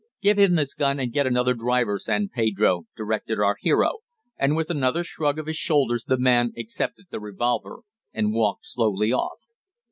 "Give him his gun, and get another driver, San Pedro," directed our hero, and with another shrug of his shoulders the man accepted the revolver, and walked slowly off.